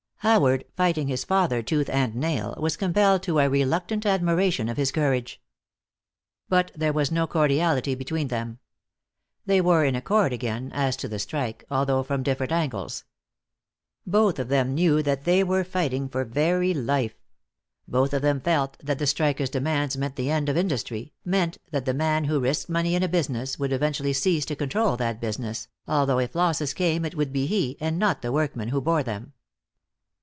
Howard, fighting his father tooth and nail, was compelled to a reluctant admiration of his courage. But there was no cordiality between them. They were in accord again, as to the strike, although from different angles. Both of them knew that they were fighting for very life; both of them felt that the strikers' demands meant the end of industry, meant that the man who risked money in a business would eventually cease to control that business, although if losses came it would be he, and not the workmen, who bore them.